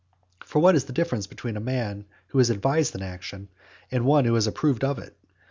For what is the difference between a man who has advised an action, and one who has approved of it?